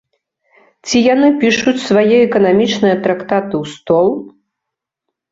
Ці яны пішуць свае эканамічныя трактаты ў стол?